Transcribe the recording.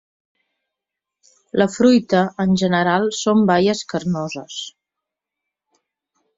La fruita, en general són baies carnoses.